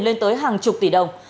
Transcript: lên tới hàng chục tỷ đồng